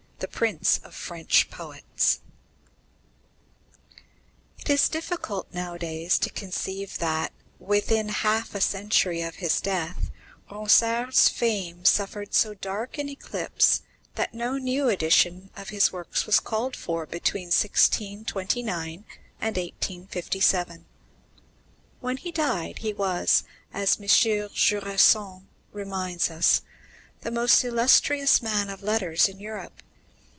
XIV "THE PRINCE OF FRENCH POETS" It is difficult nowadays to conceive that, within half a century of his death, Ronsard's fame suffered so dark an eclipse that no new edition of his works was called for between 1629 and 1857. When he died, he was, as M. Jusserand reminds us, the most illustrious man of letters in Europe.